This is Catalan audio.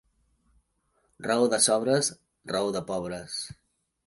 Raó de sobres, raó de pobres.